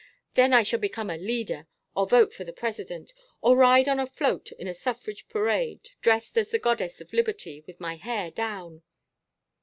Then I shall become a 'leader,' or vote for the President, or ride on a float in a suffrage parade dressed as the Goddess of Liberty, with my hair down."